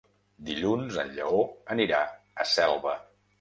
Dilluns en Lleó anirà a Selva.